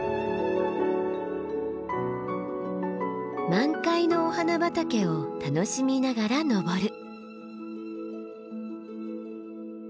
満開のお花畑を楽しみながら登る。